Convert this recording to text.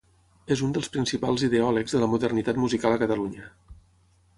És un dels principals ideòlegs de la modernitat musical a Catalunya.